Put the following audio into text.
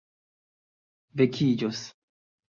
vekiĝos